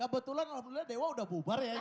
kebetulan alhamdulillah dewa udah bubar ya